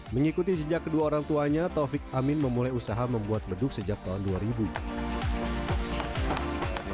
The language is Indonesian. mengikuti sejak kedua orang tuanya taufik amin memulai usaha membuat beduk sejak tahun dua ribu